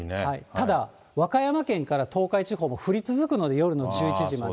ただ、和歌山県から東海地方も降り続くので、夜の１１時まで。